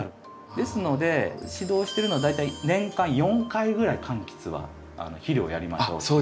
ですので指導してるのは大体年間４回ぐらい柑橘は肥料をやりましょうっていう。